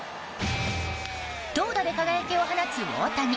投打で輝きを放つ大谷。